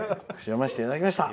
読ませていただきました。